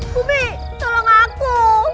bumi tolong aku